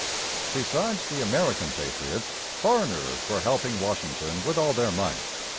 Besides the American patriots, foreigners were helping Washington with all their might.